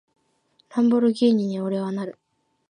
ランボルギーニに、俺はなる！